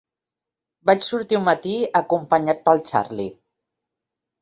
Vaig sortir un matí, acompanyat pel Charley.